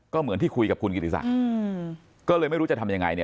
ก็เหมือนที่คุยกับคุณกิติศักดิ์ก็เลยไม่รู้จะทำยังไงเนี่ย